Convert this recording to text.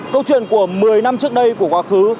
câu chuyện của một mươi năm trước đây của quá khứ